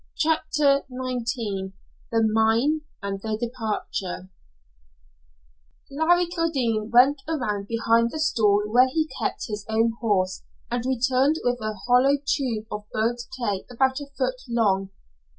CHAPTER XIX THE MINE AND THE DEPARTURE Larry Kildene went around behind the stall where he kept his own horse and returned with a hollow tube of burnt clay about a foot long.